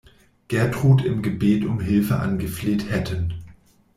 Gertrud im Gebet um Hilfe angefleht hätten.